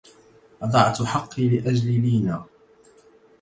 أضعت حقي لأجل ليني